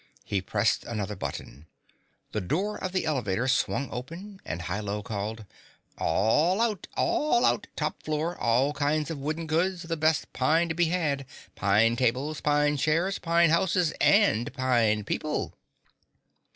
He pressed another button. The door of the elevator swung open and Hi Lo called, "All out! All out! Top floor all kinds of wooden goods, the best pine to be had pine tables, pine chairs, pine houses and pine people!"